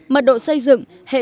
mật độ xây dựng hệ số